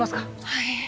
はい。